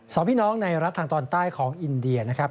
สองพี่น้องในรัฐทางตอนใต้ของอินเดียนะครับ